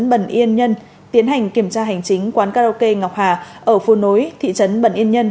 bần yên nhân tiến hành kiểm tra hành chính quán karaoke ngọc hà ở phố nối thị trấn bẩn yên nhân